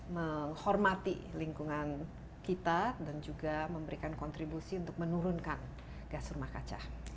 menghormati lingkungan kita dan juga memberikan kontribusi untuk menurunkan gas rumah kaca